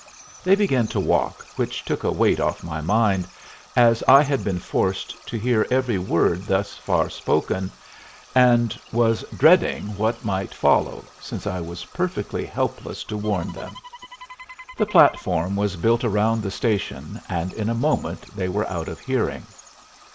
They began to walk, which took a weight off my mind, as I had been forced to hear every word thus far spoken, and was dreading what might follow, since I was perfectly helpless to warn them. The platform was built around the station, and in a moment they were out of hearing.